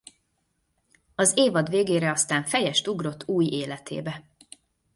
Az évad végére aztán fejest ugrott új életébe.